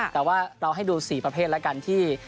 แต่ว่าเราให้ดู๔ประเภทแล้วกันที่